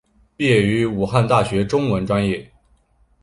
毕业于武汉大学中文专业。